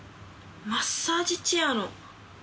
マッサージチェアの。